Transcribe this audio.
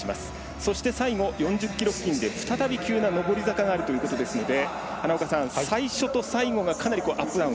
そして、最後４０ｋｍ付近で再び急な上り坂があるということなので最初と最後がかなりアップダウン